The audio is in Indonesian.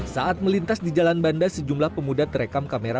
saat melintas di jalan banda sejumlah pemuda terekam kamera